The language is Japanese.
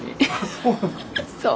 そう。